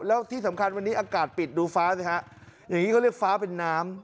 แล้วที่สำคัญวันนี้อากาศปิดดูฟ้าสิฮะอย่างนี้เขาเรียกฟ้าเป็นน้ำ